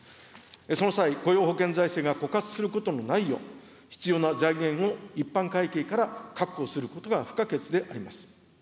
その際、雇用保険財政が枯渇することのないよう、必要な財源を一般会計から確保することが不可欠であります。